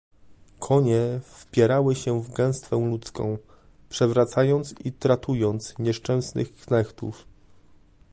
"Konie wpierały się w gęstwę ludzką, przewracając i tratując nieszczęsnych knechtów."